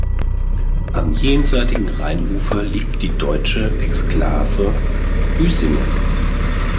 Am jenseitigen Rheinufer liegt die deutsche Exklave Büsingen.